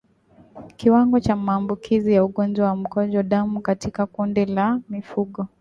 Kiwango cha maambukizi ya ugonjwa wa mkojo damu katika kundi la mifugo